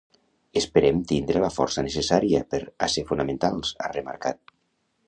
Esperem tindre la força necessària per a ser fonamentals, ha remarcat.